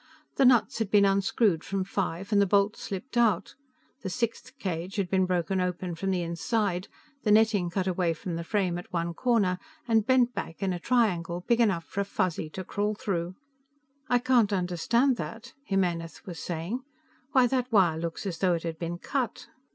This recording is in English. The nuts had been unscrewed from five and the bolts slipped out; the sixth cage had been broken open from the inside, the netting cut away from the frame at one corner and bent back in a triangle big enough for a Fuzzy to crawl through. "I can't understand that," Jimenez was saying. "Why that wire looks as though it had been cut."